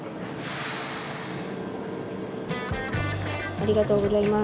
ありがとうございます。